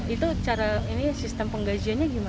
itu cara ini sistem penggajiannya gimana